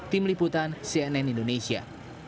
tim liputan cnn indonesia